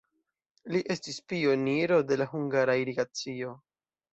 Li estis pioniro de la hungara irigacio.